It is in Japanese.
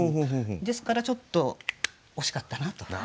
ですからちょっと惜しかったなと。